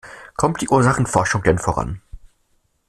Kommt die Ursachenforschung denn voran?